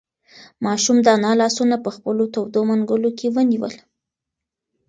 ماشوم د انا لاسونه په خپلو تودو منگولو کې ونیول.